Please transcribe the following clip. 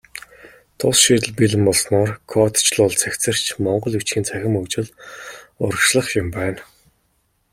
Тус шийдэл бэлэн болсноор кодчилол цэгцэрч, монгол бичгийн цахим хөгжил урагшлах юм байна.